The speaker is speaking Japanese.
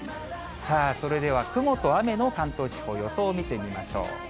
さあ、それでは雲と雨の関東地方、予想を見てみましょう。